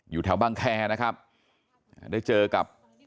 อยู่แถวบังแคร์นะครับได้เจอกับ